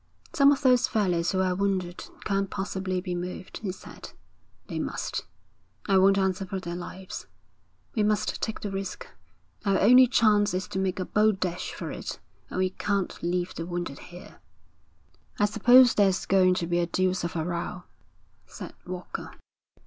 'Some of those fellows who are wounded can't possibly be moved,' he said. 'They must.' 'I won't answer for their lives.' 'We must take the risk. Our only chance is to make a bold dash for it, and we can't leave the wounded here.' 'I suppose there's going to be a deuce of a row,' said Walker.